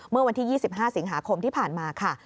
เมื่อวันที่๒๕สิงหาคมที่ผ่านมาค่ะ